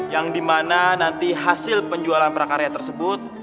yang dimana nanti hasil penjualan prakarya tersebut